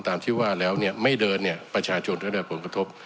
ที่ว่าแล้วเนี่ยไม่เดินเนี่ยประชาชนได้รับผลกระทบ